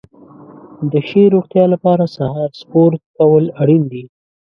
د ښې روغتیا لپاره سهار سپورت کول اړین دي.